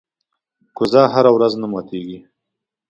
کوزه هره ورځ نه ماتېږي.